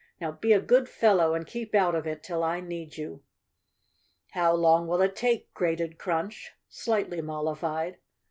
Now be a good fellow and keep out of it till I need you." "How long will it take?" grated Crunch, slightly mollified.